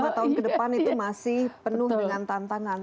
jadi lima tahun ke depan itu masih penuh dengan tantangan